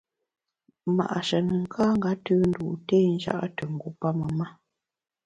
Ma’she nùn ka nga tùn ndû té nja’ te ngu pamem ma.